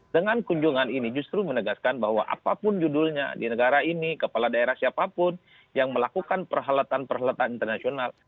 dan tujuan ini justru menegaskan bahwa apapun judulnya di negara ini kepala daerah siapapun yang melakukan perhalatan perhalatan internasional